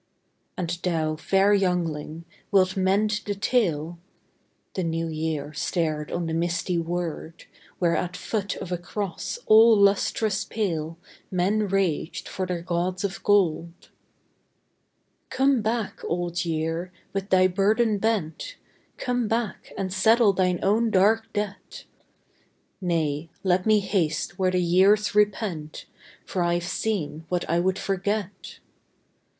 And thou, fair youngling, wilt mend the tale? " The New Year stared on the misty wold, Where at foot of a cross all lustrous pale Men raged for their gods of gold. " Come back, Old Year, with thy burden bent. Come back and settle thine own dark debt." " Nay, let me haste where the years repent, For I ve seen what I would forget."